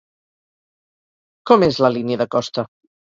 Com és la línia de costa?